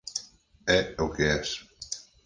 É o que es.